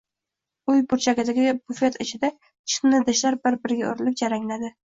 Uy burchagidagi bufet ichida chinni idishlar bir-biriga urilib, jarangladi.